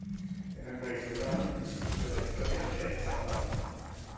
En el tradicional de la historia de "Shazam!